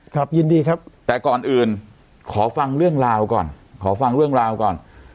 ครับยินดีครับแต่ก่อนอื่นขอฟังเรื่องราวก่อนขอฟังเรื่องราวก่อน